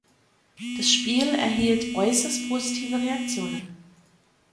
Das Spiel erhielt äußerst positive Reaktionen.